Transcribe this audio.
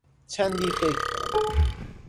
چندی فکر کرد.